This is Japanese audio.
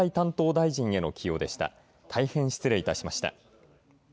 大変失礼いたしました。